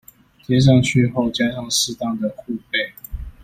貼上去後加上適當的護貝